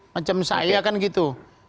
macam saya kan gitu